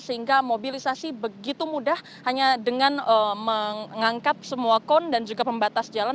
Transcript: sehingga mobilisasi begitu mudah hanya dengan mengangkat semua kon dan juga pembatas jalan